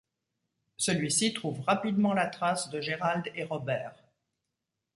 Celui-ci trouve rapidement la trace de Gérald et Robert.